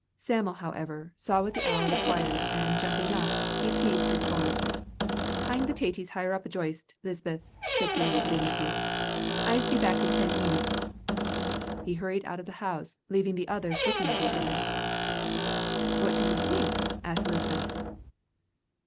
Sam'l, however, saw what the hour required, and jumping up, he seized his bonnet. "Hing the tatties higher up the joist, Lisbeth," he said with dignity; "I'se be back in ten meenits." He hurried out of the house, leaving the others looking at each other. "What do ye think?" asked Lisbeth.